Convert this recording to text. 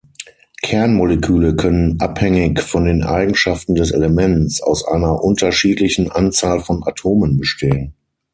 Kernmoleküle können abhängig von den Eigenschaften des Elements aus einer unterschiedlichen Anzahl von Atomen bestehen.